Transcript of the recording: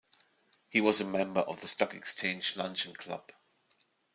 He was a member of the Stock Exchange Luncheon Club.